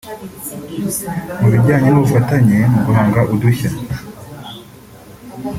mu bijyanye n’ubufatanye mu guhanga udushya